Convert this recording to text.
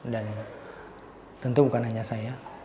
dan tentu bukan hanya saya